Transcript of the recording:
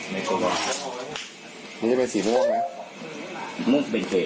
มันจะเป็นสีโบ้งไหมมุ่งเป็นเฟย์